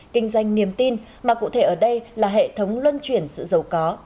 kinh doanh niềm tin mà cụ thể ở đây là hệ thống luân chuyển sự giàu có